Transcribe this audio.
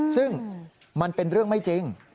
ซึ่งมันเป็นเรื่องไม่จริง